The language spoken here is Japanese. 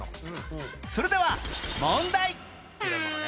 それでは問題